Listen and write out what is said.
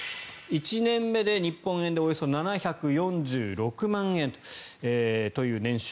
１年目で日本円でおよそ７４６万円という年収。